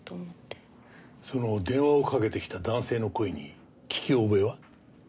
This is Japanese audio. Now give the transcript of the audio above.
その電話をかけてきた男性の声に聞き覚えは？